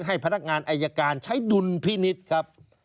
ให้พนักงานอายการใช้ดุลพินิษฐ์ครับ